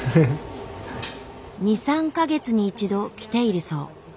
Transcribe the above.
２３か月に１度来ているそう。